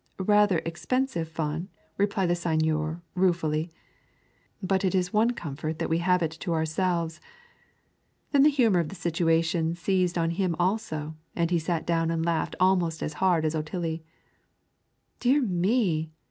"Rather expensive fun," replied the Seigneur ruefully. "But it is one comfort that we have it to ourselves." Then the humor of the situation seized on him also, and he sat down and laughed almost as hard as Otillie. "Dear me!